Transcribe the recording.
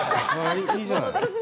いいじゃない。